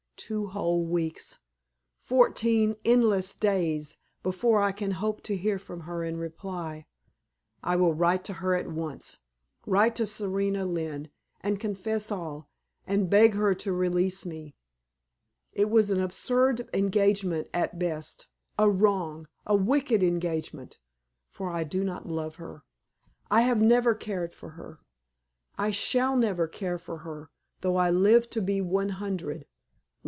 Two whole weeks fourteen endless days before I can hope to hear from her in reply! I will write to her at once write to Serena Lynne and confess all, and beg her to release me. It was an absurd engagement at best a wrong a wicked engagement, for I do not love her; I have never cared for her! I shall never care for her, though I live to be one hundred.